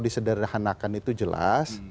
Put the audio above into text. disederhanakan itu jelas